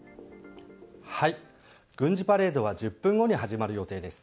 軍事パレードは１０分後に始まる予定です。